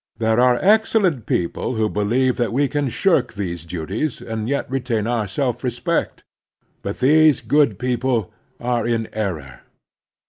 There are excellent people who believe that we can shirk these duties and yet retain our self respect ; but these good people are in error.